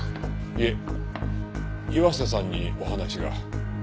いえ岩瀬さんにお話が。